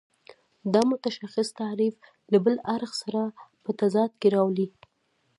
دا متشخص تعریف له بل اړخ سره په تضاد کې راولي.